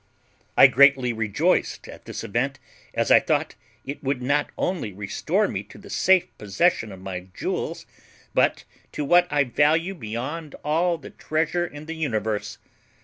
"I greatly rejoiced at this event, as I thought it would not only restore me to the safe possession of my jewels, but to what I value beyond all the treasure in the universe.